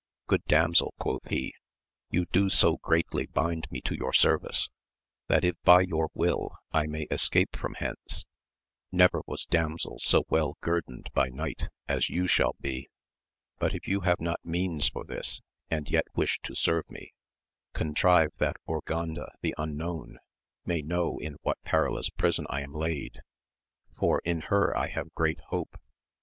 Good damsel, quoth he, you do so greatly bind me to your service, that if by your help I may escape from hence, never was damsel so well guer doned by knight as you shall be : but if you have not means for this and yet wish to serve me, contrive that Urganda the Unknown may know in what perilous prison I am laid, for in her I have great hope.